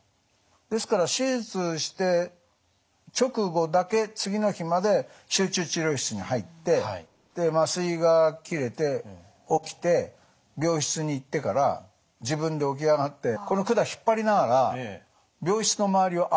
ですから手術して直後だけ次の日まで集中治療室に入ってで麻酔が切れて起きて病室に行ってから自分で起き上がってこの管引っ張りながら病室の周りを歩いてたんですよ。